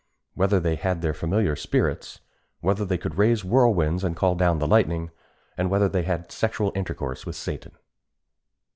whether they had their familiar spirits? whether they could raise whirlwinds and call down the lightning? and whether they had had sexual intercourse with Satan?